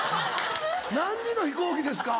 何時の飛行機ですか？